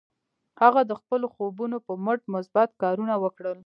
هغه د خپلو خوبونو پر مټ مثبت کارونه وکړل.